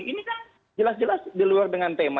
ini kan jelas jelas diluar dengan tema